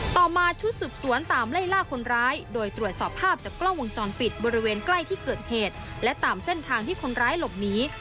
ต่อมาชุดสืบสวนตามไล่ล่าคนร้ายโดยตรวจสอบภาพจากกล้องวงจรปิดบริเวณใกล้ที่เกิดเหตุและตามเส้นทางที่คนร้ายหลบหนี